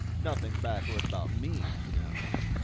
Nothing backward about me, you know.